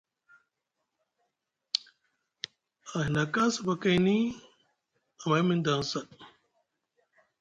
Ahinaka sapakayni amay miŋ daŋ saa.